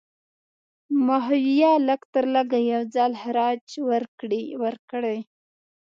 ماهویه لږترلږه یو ځل خراج ورکړی.